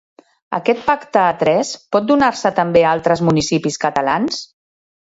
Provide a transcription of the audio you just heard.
Aquest pacte a tres pot donar-se també a altres municipis catalans?